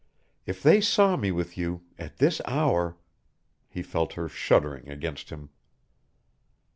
If they saw me with you at this hour " He felt her shuddering against him.